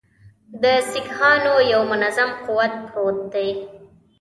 د سیکهانو یو منظم قوت پروت دی.